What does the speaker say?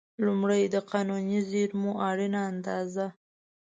لومړی: د قانوني زېرمو اړینه اندازه.